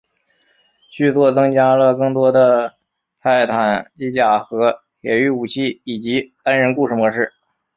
续作增加了更多的泰坦机甲和铁驭武器以及单人故事模式。